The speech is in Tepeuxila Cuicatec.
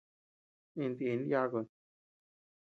Intin yakun.